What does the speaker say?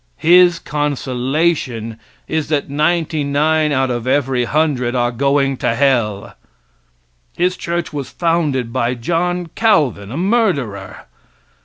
His consolation is that ninety nine out of every hundred are going to hell. His church was founded by John Calvin, a murderer.